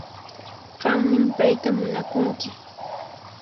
Qanmi payta munakunki